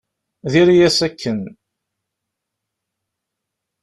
Diri-yas akken.